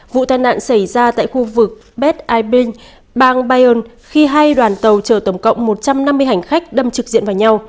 vụ tai nạn xảy ra tại khu vực beth eibring bang bayern khi hai đoàn tàu chờ tổng cộng một trăm năm mươi hành khách đâm trực diện vào nhau